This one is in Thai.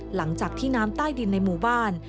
หลังจากที่น้ำใต้ดินในหมู่บ้าน